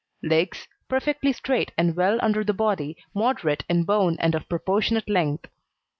LEGS Perfectly straight and well under the body, moderate in bone, and of proportionate length.